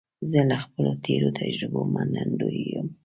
زه له خپلو تېرو تجربو منندوی یم.